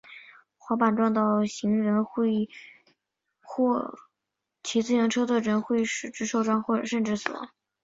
滑板撞到行人或骑自行车的人后会使之受伤甚至死亡。